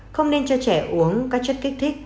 không nên cho trẻ uống các chất kích thích